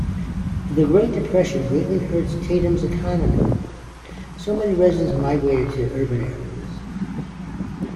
The Great Depression greatly hurt Tatums' economy, so many residents migrated to urban areas.